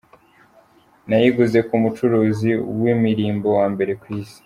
Nayiguze ku mucuruzi w’imirimbo wa mbere ku isi.